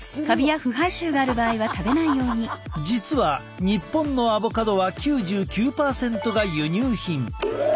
実は日本のアボカドは９９％が輸入品。